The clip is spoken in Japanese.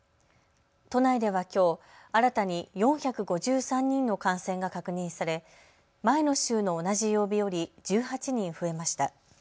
都内ではきょう、新たに４５３人の感染が確認され、前の週の同じ曜日より１８人増えました。